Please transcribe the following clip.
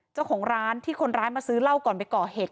เจ้าของร้านที่คนร้ายมาซื้อเหล้าก่อนไปก่อเหตุ